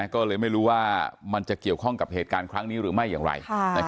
ก็เลยไม่รู้ว่ามันจะเกี่ยวข้องกับเหตุการณ์ครั้งนี้หรือไม่อย่างไร